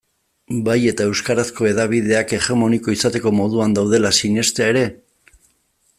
Bai eta euskarazko hedabideak hegemoniko izateko moduan daudela sinestea ere?